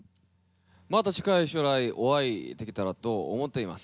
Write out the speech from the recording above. また近い将来お会いできたらと思っています。